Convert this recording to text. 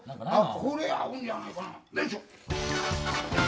これ合うんじゃないかな？